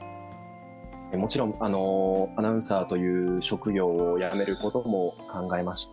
もちろん、アナウンサーという職業を辞めることも考えました。